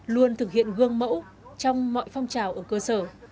luôn thực hiện gương mẫu trong mọi phong trào ở cơ sở